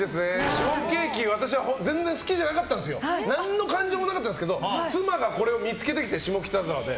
シフォンケーキ、私全然好きじゃなかったんですよ。何の感情もなかったんですけど妻がこれを見つけてきて下北沢で。